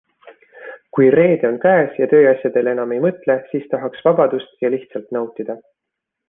Kui reede on käes ja tööasjadele enam ei mõtle, siis tahaks vabadust ja lihtsalt nautida.